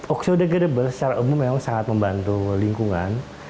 oksodegradable secara umum memang sangat membantu lingkungan